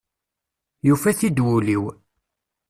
Yufa-t-id wul-iw.